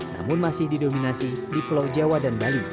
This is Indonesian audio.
namun masih didominasi di pulau jawa dan bali